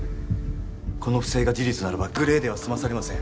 この不正が事実ならばグレーでは済まされません